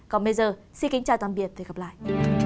còn bây giờ xin kính chào tạm biệt và hẹn gặp lại